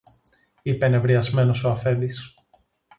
είπε νευριασμένος ο αφέντης